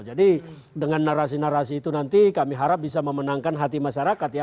jadi dengan narasi narasi itu nanti kami harap bisa memenangkan hati masyarakat ya